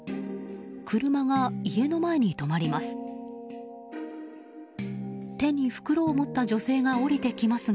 車が家の前に止まります。